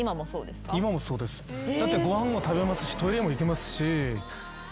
だってご飯も食べますしトイレも行きますし。